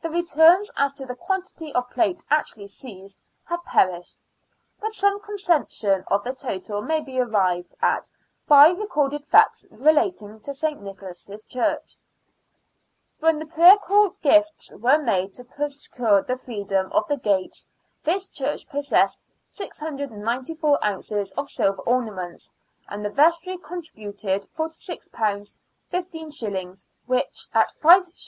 The returns as to the quantity of plate actually seized have perished, but some conception of the total may be arrived at by recorded facts relating to St. Nicholas' Church. When the parochial gifts were made to procure the freedom of the gates this church possessed 694 ounces of silver ornaments, and the vestry contributed £46 15s., which, at 5s.